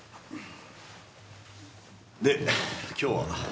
で今日は？